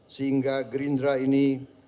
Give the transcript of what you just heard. sehingga gerindra ini